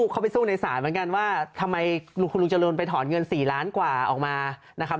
เข้าไปสู้ในศาลเหมือนกันว่าทำไมคุณลุงจรูนไปถอนเงิน๔ล้านกว่าออกมานะครับ